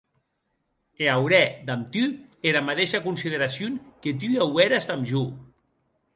E aurè damb tu era madeisha consideracion que tu aueres damb jo!